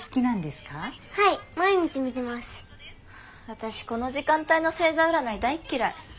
私この時間帯の星座占い大っ嫌い。